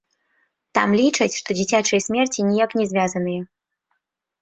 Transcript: Там лічаць, што дзіцячыя смерці ніяк не звязаныя.